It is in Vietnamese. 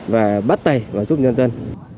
và bắt tay và giúp dân dân